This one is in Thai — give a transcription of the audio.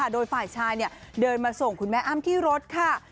โดยฝ่ายชายเดินมาส่งคุณแม่อ้ำที่รถค่ะ